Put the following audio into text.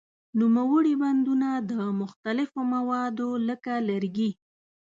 نوموړي بندونه د مختلفو موادو لکه لرګي.